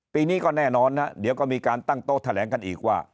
ปีนี้ก็แน่นอนนะเดี๋ยวก็มีการตั้งโต๊ะแถลงกันอีกว่า